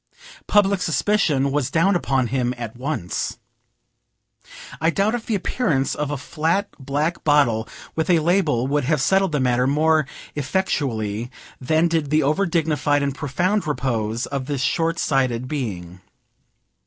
Public suspicion was down upon him at once. I doubt if the appearance of a flat black bottle with a label would have settled the matter more effectually than did the over dignified and profound repose of this short sighted being.